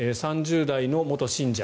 ３０代の元信者。